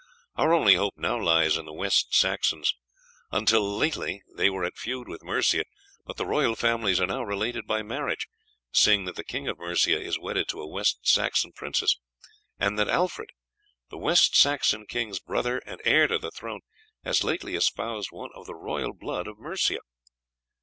Our only hope now lies in the West Saxons. Until lately they were at feud with Mercia; but the royal families are now related by marriage, seeing that the King of Mercia is wedded to a West Saxon princess, and that Alfred, the West Saxon king's brother and heir to the throne, has lately espoused one of the royal blood of Mercia.